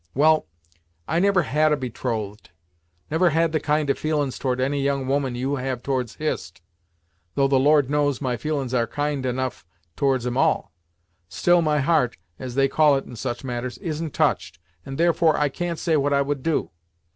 "Well, I never had a betrothed never had the kind of feelin's toward any young woman that you have towards Hist, though the Lord knows my feelin's are kind enough towards 'em all! Still my heart, as they call it in such matters, isn't touched, and therefore I can't say what I would do.